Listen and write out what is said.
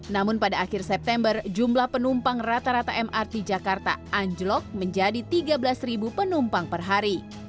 namun pada akhir september jumlah penumpang rata rata mrt jakarta anjlok menjadi tiga belas penumpang per hari